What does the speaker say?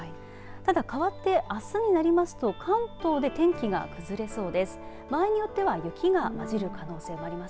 ただ、かわってあすになりますと関東で天気が崩れそうです。